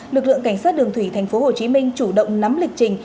lực lượng cảnh sát đường thủy thành phố hồ chí minh chủ động nắm lịch trình